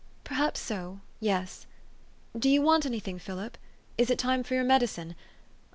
"Perhaps so yes. Do you want any thing, Philip ? Is it time for your medicine